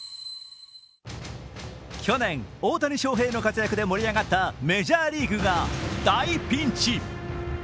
去年、大谷翔平の活躍で盛り上がったメジャーリーグが大ピンチ。